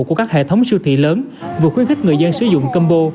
của các hệ thống siêu thị lớn vừa khuyến khích người dân sử dụng combo